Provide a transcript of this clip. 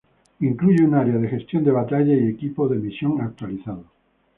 Incluye una área de gestión de batalla y equipo de misión actualizado.